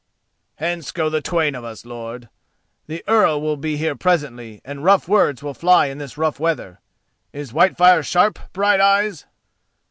"Hence go the twain of us, lord. The Earl will be here presently and rough words will fly in this rough weather. Is Whitefire sharp, Brighteyes?"